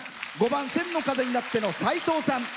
５番「千の風になって」のさいとうさん。